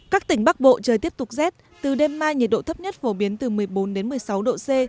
các tỉnh bắc bộ trời tiếp tục rét từ đêm mai nhiệt độ thấp nhất phổ biến từ một mươi bốn đến một mươi sáu độ c